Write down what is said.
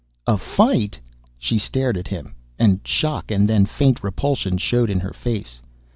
"A fight?" She stared at him, and shock and then faint repulsion showed in her face.